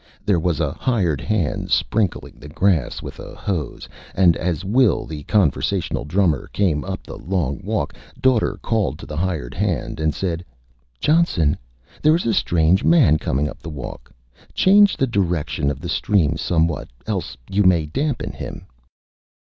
There was a Hired Hand sprinkling the Grass with a Hose, and as Will, the Conversational Drummer, came up the Long Walk, Daughter called to the Hired Hand, and said: "Johnson, there is a Strange Man coming up the Walk; change the Direction of the Stream somewhat, else you may Dampen him."